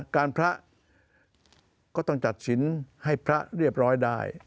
การพระก็ต้องตัดสินให้พระเรียบร้อยได้